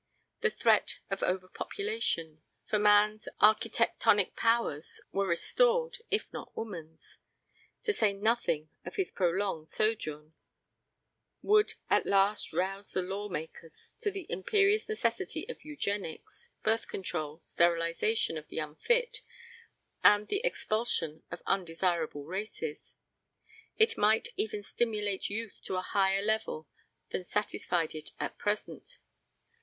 The threat of overpopulation for man's architectonic powers were restored if not woman's; to say nothing of his prolonged sojourn would at last rouse the law makers to the imperious necessity of eugenics, birth control, sterilization of the unfit, and the expulsion of undesirable races. It might even stimulate youth to a higher level than satisfied it at present.